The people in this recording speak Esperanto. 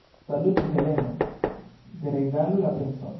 Salutu, Heleno, regalu la princon.